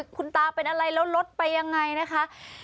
คุณตาเป็นอะไรแล้วรถไปยังไงนะคะ